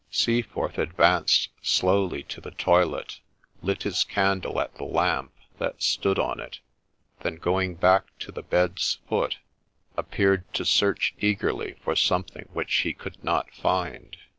Seaforth advanced slowly to the toilet, lit his candle at the lamp that stood on it, then, going back to the bed's foot, appeared to search eagerly for something which he could not find.